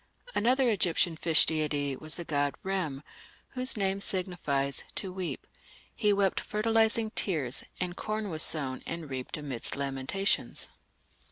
Another Egyptian fish deity was the god Rem, whose name signifies "to weep"; he wept fertilizing tears, and corn was sown and reaped amidst lamentations.